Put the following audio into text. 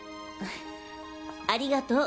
ありがとう。